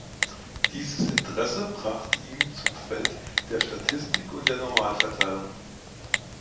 Dieses Interesse brachte ihn zum Feld der Statistik und der Normalverteilung.